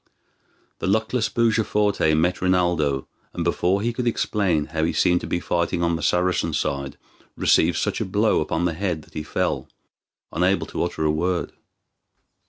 The luckless Bujaforte met Rinaldo, and before he could explain how he seemed to be fighting on the Saracen side received such a blow upon the head that he fell, unable to utter a word.